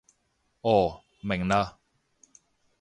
哦，明嘞